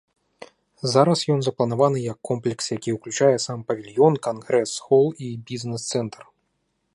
Зараз ён запланаваны як комплекс, які ўключае сам павільён, кангрэс-хол і бізнес-цэнтр.